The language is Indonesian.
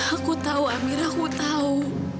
aku tau amira aku tau